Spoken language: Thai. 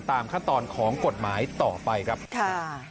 ตามขั้นตอนของกฎหมายต่อไปครับค่ะ